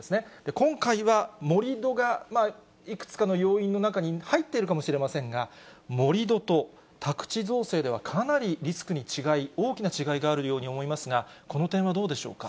今回は盛り土がいくつかの要因の中に入っているかもしれませんが、盛り土と宅地造成では、かなりリスクに違い、大きな違いがあるように思いますが、この点はどうでしょうか。